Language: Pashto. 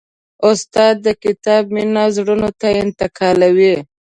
استاد د کتاب مینه زړونو ته انتقالوي.